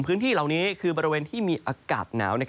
พื้นที่เหล่านี้คือบริเวณที่มีอากาศหนาว